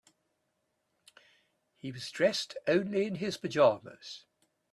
He was dressed only in his pajamas.